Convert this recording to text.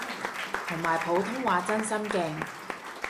同埋普通話真心勁